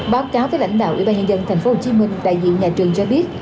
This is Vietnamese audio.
báo cáo với lãnh đạo ủy ban nhân dân tp hcm đại diện nhà trường cho biết